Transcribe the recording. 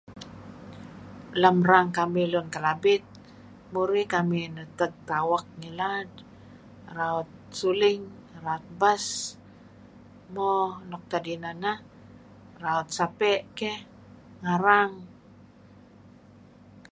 Lem erang kamih lun Kelabit murih kamih neteg tawak ngilad raut suling raut bass mo nuk tad ineh neh raut sape' keh ngarang.